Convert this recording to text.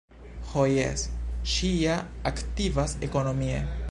Ho jes, ŝi ja aktivas ekonomie!